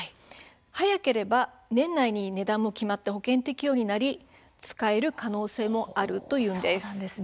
早ければ年内に値段も決まって保険適用になり使える可能性もあるというんです。